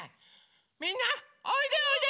みんなおいでおいで！